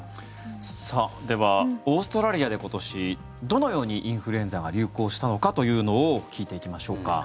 では、オーストラリアで今年、どのようにインフルエンザが流行したのかというのを聞いていきましょうか。